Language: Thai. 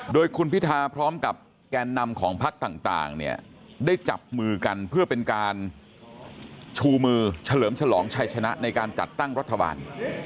โดยคุณพิธาพร้อมกับแกนนำของพักต่างเนี่ยได้จับมือกันเพื่อเป็นการชูมือเฉลิมฉลองชัยชนะในการจัดตั้งรัฐบาล